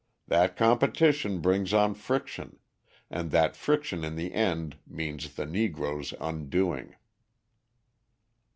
That competition brings on friction, and that friction in the end means the Negroe's undoing.